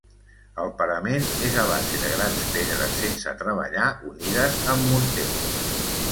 El parament és a base de grans pedres sense treballar unides amb morter.